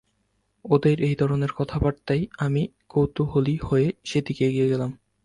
ওদের এই ধরনের কথাবার্তায় আমিও কৌতুহলী হয়ে সেদিকে এগিয়ে গেলাম।